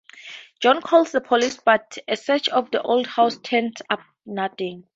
John calls the police, but a search of the old house turns up nothing.